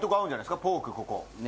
ポークここ。